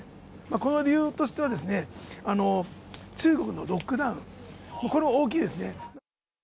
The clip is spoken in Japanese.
この理由としては、中国のロックダウン、これは大きいですね。